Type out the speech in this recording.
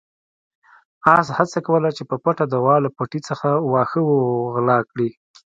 اس هڅه کوله چې په پټه د غوا له پټي څخه واښه وغلا کړي.